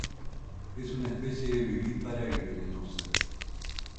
Es una especie vivípara y venenosa.